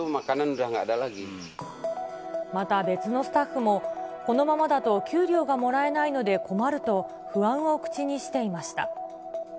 また別のスタッフも、このままだと給料がもらえないので困ると、不安を口にしていました。